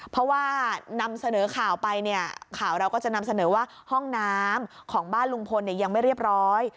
เพราะว่านำเสนอข่าวไปเนี่ยข่าวเราก็จะนำเสนอว่าห้องน้ำของบ้านลุงพลเนี่ยยังไม่เรียบร้อย